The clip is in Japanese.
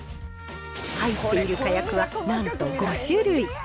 入っているかやくはなんと５種類。